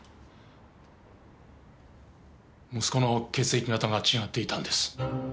息子の血液型が違っていたんです。